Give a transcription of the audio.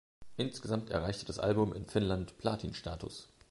Insgesamt erreichte das Album in Finnland Platin-Status.